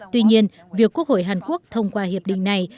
tuy nhiên việc quốc hội hàn quốc thông qua hiệp định này